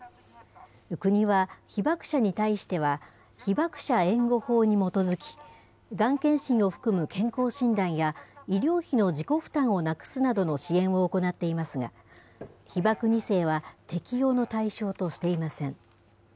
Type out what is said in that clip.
国は被爆者に対しては、被爆者援護法に基づき、がん検診を含む健康診断や医療費の自己負担をなくすなどの支援を行っていますが、被爆２世は適用の対象としていません。